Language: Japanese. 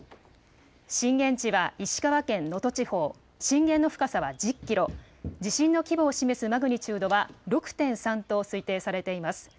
震源地は石川県能登地方、震源の深さは１０キロ、地震の規模を示すマグニチュードは６．３と推定されています。